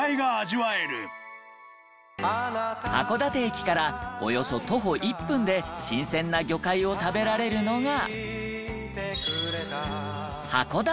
函館駅からおよそ徒歩１分で新鮮な魚介を食べられるのが。